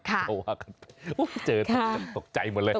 อ้าวเจอตกใจหมดเลย